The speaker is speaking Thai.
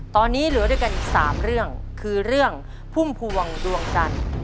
ตอนนี้เหลือด้วยกันอีก๓เรื่องคือเรื่องพุ่มพวงดวงจันทร์